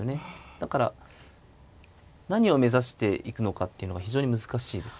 だから何を目指していくのかっていうのが非常に難しいです。